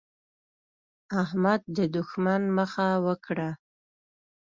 احمد د دوښمن مخه وکړه.